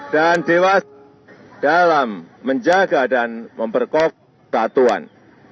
dan dewasa dalam menjaga dan memperkontrol peraturan